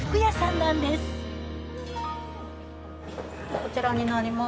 こちらになります。